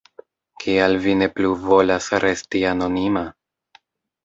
Kial vi ne plu volas resti anonima?